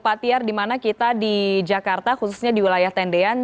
pak tiar di mana kita di jakarta khususnya di wilayah tendean